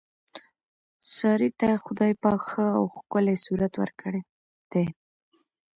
سارې ته خدای پاک ښه او ښکلی صورت ورکړی دی.